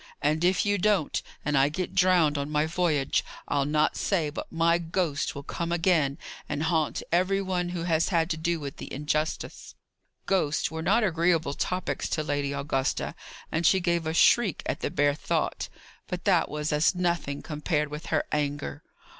And if you don't, and I get drowned on my voyage, I'll not say but my ghost will come again and haunt every one who has had to do with the injustice." Ghosts were not agreeable topics to Lady Augusta, and she gave a shriek at the bare thought. But that was as nothing, compared with her anger.